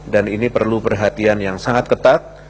dan ini perlu perhatian yang sangat ketat